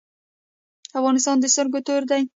افغانستان د سترګو تور دی؟